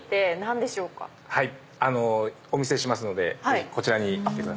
お見せしますのでこちらに来てください。